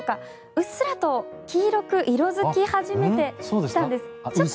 うっすらと黄色く色付き始めてきたんです。